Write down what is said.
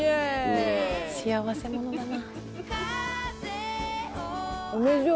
「幸せ者だな」